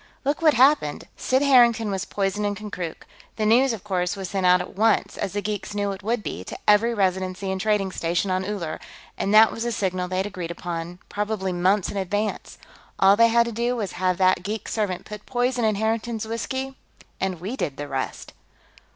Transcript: "Look what happened. Sid Harrington was poisoned in Konkrook. The news, of course, was sent out at once, as the geeks knew it would be, to every residency and trading station on Uller, and that was the signal they'd agreed upon, probably months in advance. All they had to do was have that geek servant put poison in Harrington's whiskey, and we did the rest."